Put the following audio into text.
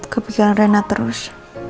kepikiran rena terus